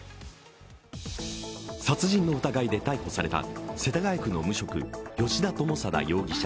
殺人の疑いで逮捕された世田谷区の無職、吉田友貞容疑者